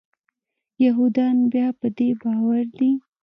یهودیان بیا په دې باور دي.